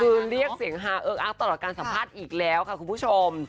คือเรียกเสียงฮาเอิกอักตลอดการสัมภาษณ์อีกแล้วค่ะคุณผู้ชม